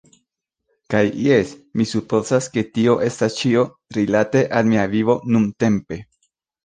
Kaj jes, mi supozas, ke tio estas ĉio rilate al mia vivo nuntempe.